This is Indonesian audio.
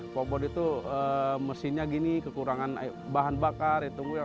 kok buat itu mesinnya gini kekurangan bahan bakar itu